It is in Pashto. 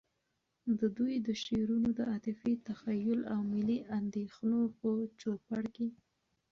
د دوی د شعرونو د عاطفی، تخیّل، او ملی اندیښنو په چو پړ کي